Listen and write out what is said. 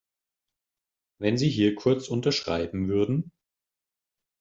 Wenn Sie hier kurz unterschreiben würden.